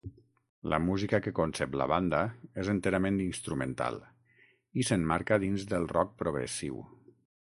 La música que concep la banda és enterament instrumental, i s'emmarca dins del rock progressiu.